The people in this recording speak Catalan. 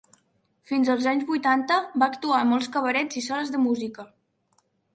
Fins als anys vuitanta, va actuar a molts cabarets i sales de música.